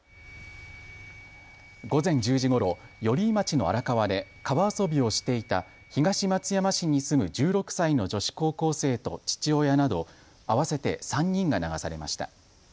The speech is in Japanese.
午前１０時ごろ寄居町の荒川で川遊びをしていた東松山市に住む１６歳の女子高校生と父親など合わせて３人が流されました。